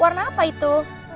warna apa itu